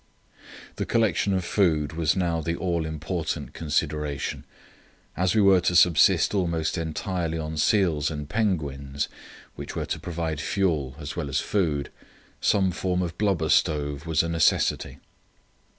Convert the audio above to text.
The collection of food was now the all important consideration. As we were to subsist almost entirely on seals and penguins, which were to provide fuel as well as food, some form of blubber stove was a necessity.